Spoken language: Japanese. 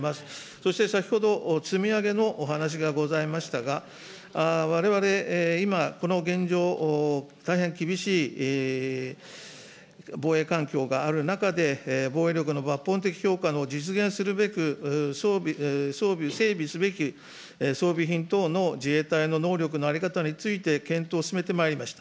そして先ほど、積み上げのお話がございましたが、われわれ、今、この現状、大変厳しい防衛環境がある中で、防衛力の抜本的強化の実現するべく整備すべき装備品等の自衛隊の能力の在り方について、検討を進めてまいりました。